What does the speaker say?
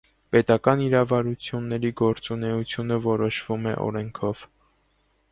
Պետական իրավարությունների գործունեոոթյունը որոշվում է օրենքով։